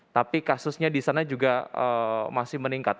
tapi kasusnya di sana juga masih meningkat